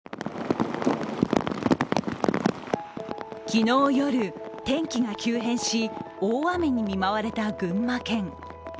昨日夜、天気が急変し、大雨に見舞われた群馬県。